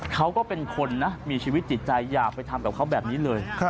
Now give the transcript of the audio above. เขาก็เป็นคนนะมีชีวิตจิตใจอย่าไปทำกับเขาแบบนี้เลย